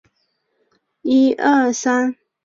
锯灰蝶属是灰蝶科眼灰蝶亚科中的一个属。